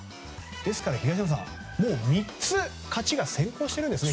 ですから東山さんもう３つ勝ちが先行してるんです。